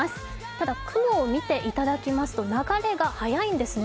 ただ雲を見ていただきますと流れが速いんですね。